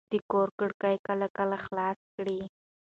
د کور کړکۍ کله کله خلاصې کړئ.